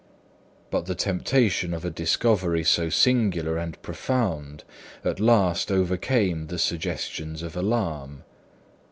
But the temptation of a discovery so singular and profound at last overcame the suggestions of alarm.